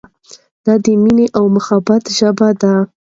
دا د مینې او محبت ژبه ده.